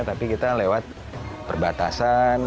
tapi kita lewat perbatasan